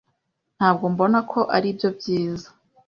Ntabwo mbona ko aribyo byiza.